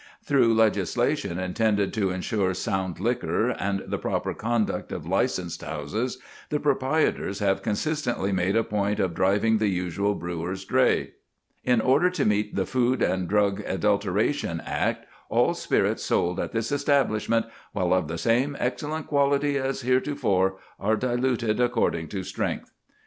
Through legislation intended to ensure sound liquor and the proper conduct of licensed houses the proprietors have consistently made a point of driving the usual brewer's dray. "In order to meet the Food and Drugs Adulteration Act, all spirits sold at this establishment, while of the same excellent quality as heretofore, are diluted according to strength."